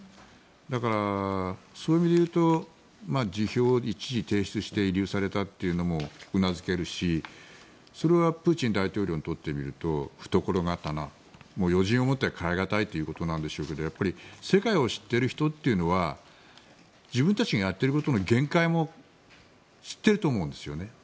だから、そういう意味で言うと辞表を一時提出して慰留されたというのもうなずけるし、それはプーチン大統領にとってみると懐刀、余人をもって代え難いということなんでしょうけどやっぱり世界を知っている人というのは自分たちがやっていることの限界も知ってると思うんですよね。